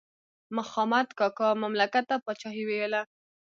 مخامد کاکا مملکت ته پاچاهي ویله.